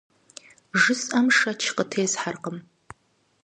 Жысӏэм шэч къытесхьэркъым.